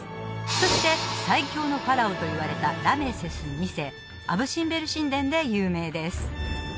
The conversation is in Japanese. そして最強のファラオといわれたラメセス２世アブ・シンベル神殿で有名です